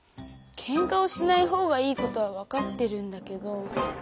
ケンカをしない方がいいことは分かってるんだけど。